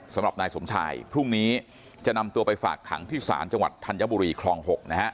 สำหรับนายสมชายพรุ่งนี้จะนำตัวไปฝากขังที่ศาลจังหวัดธัญบุรีคลอง๖นะฮะ